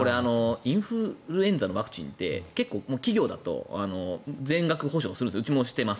インフルエンザのワクチンって結構、企業だと全額補助します